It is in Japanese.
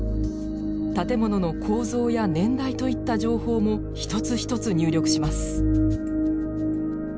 建物の構造や年代といった情報も一つ一つ入力します。